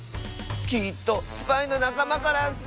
きっとスパイのなかまからッス！